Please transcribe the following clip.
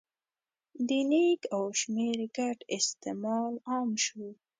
د لیک او شمېر ګډ استعمال عام شو.